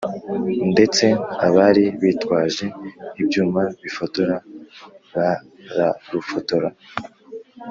ndetse abari bitwaje ibyuma bifotora bararufotora